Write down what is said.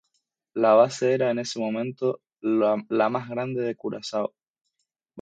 La base era en ese momento la más grande en Curazao.